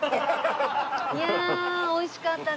いや美味しかったね。